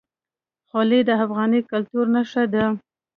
خولۍ د افغاني کلتور نښه ده.